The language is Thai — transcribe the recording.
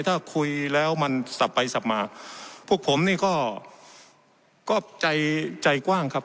ถ้าคุยแล้วมันสับไปสับมาพวกผมนี่ก็ใจใจกว้างครับ